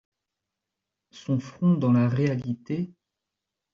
Son front dans la réalité :